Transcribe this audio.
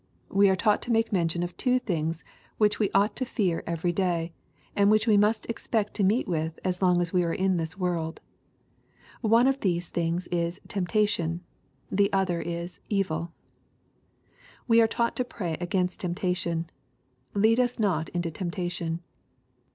We are taught to make mention of two things which we ought to fear every day, and which we must expect to meet with as long as we are in this world. One ofthese things is "temptation/' The other is "evil." We are taught to pray against temptation : "Lead us not into temptation."